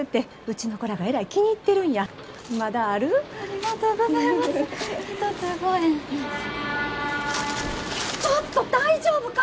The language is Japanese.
ちょっと大丈夫か！？